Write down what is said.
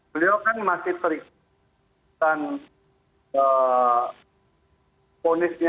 beliau kan masih terikutan ponisnya